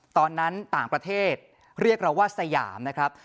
ตอนนั้นต่างประเทศเรียกเราว่าสยามนะครับ